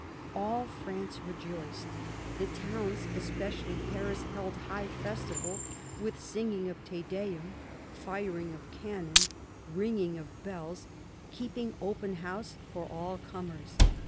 All France rejoiced ; the towns, especially Paris, held high festival, with singing of Te Deum, firing of cannon, ringing of bells, keeping open house for all comers.